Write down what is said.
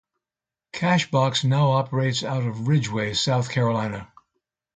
Cashbox now operates out of Ridgeway, South Carolina.